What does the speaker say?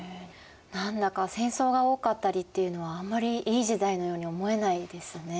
何だか戦争が多かったりっていうのはあんまりいい時代のように思えないですね。